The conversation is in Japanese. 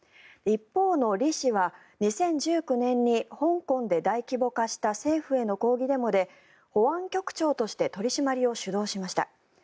一方のリ氏は２０１９年に香港で大規模化した政府への抗議デモで保安局長として取り締まりを主導しました。